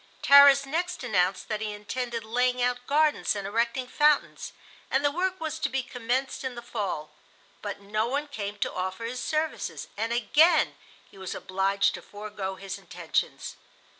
Tarras next announced that he intended laying out gardens and erecting fountains, and the work was to be commenced in the fall, but no one came to offer his services, and again he was obliged to forego his intentions.